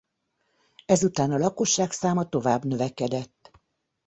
Ezután a lakosság száma tovább növekedett.